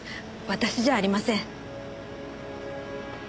私じゃありません。